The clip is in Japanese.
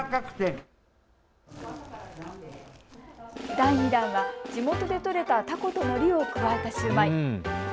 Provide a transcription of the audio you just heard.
第２弾は地元でとれたタコとのりを加えたシューマイ。